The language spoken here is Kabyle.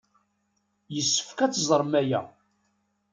Yessefk ad teẓrem aya.